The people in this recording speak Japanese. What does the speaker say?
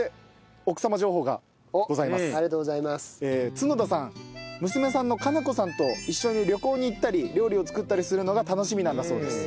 角田さん娘さんの加奈子さんと一緒に旅行に行ったり料理を作ったりするのが楽しみなんだそうです。